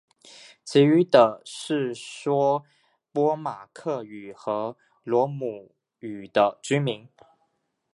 其余的是说波马克语和罗姆语的居民。